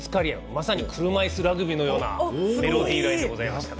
まさに車いすラグビーのようなメロディーラインでした。